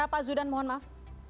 pak zudan mohon maaf